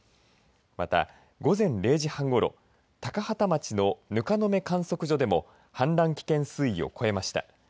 また、午前０時半ごろ高畠町の糠野目観測所でも氾濫危険水位を越えました。